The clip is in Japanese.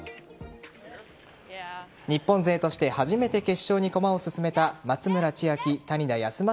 日本勢として初めて決勝に駒を進めた松村千秋・谷田康真